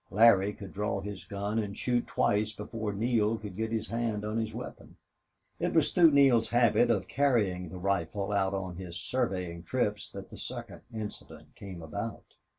Larry could draw his gun and shoot twice before Neale could get his hand on his weapon. It was through Neale's habit of carrying the rifle out on his surveying trips that the second incident came about.